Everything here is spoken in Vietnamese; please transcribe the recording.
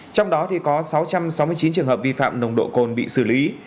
trong đó có sáu trăm sáu mươi chín trường hợp vi phạm nồng độ cồn bị xử lý